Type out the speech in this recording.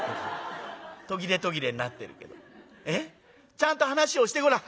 ちゃんと話をしてごらん」。